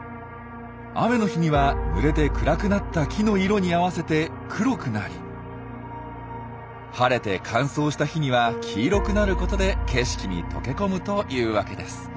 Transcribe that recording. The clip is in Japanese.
雨の日にはぬれて暗くなった木の色に合わせて黒くなり晴れて乾燥した日には黄色くなることで景色に溶け込むというわけです。